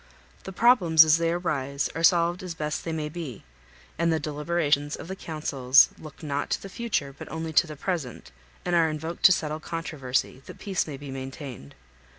The problems as they arise are solved as best they may be, and the deliberations of the councils look not to the future but only to the present, and are invoked to settle controversy, that peace may be maintained.